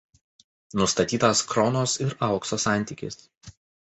Nustatytas kronos ir aukso santykis.